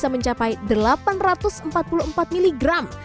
mencapai delapan ratus empat puluh empat miligram